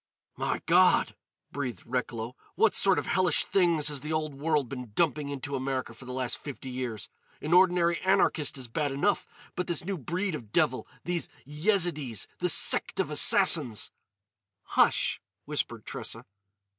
"My God!" breathed Recklow. "What sort of hellish things has the Old World been dumping into America for the last fifty years? An ordinary anarchist is bad enough, but this new breed of devil—these Yezidees—this sect of Assassins——" "Hush!" whispered Tressa.